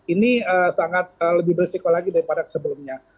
ini sangat lebih bersiko lagi daripada sebelumnya